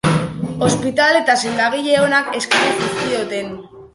Ospitale eta sendagile onak eskaini zizkioten.